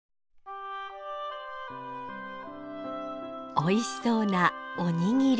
おいしそうなおにぎり！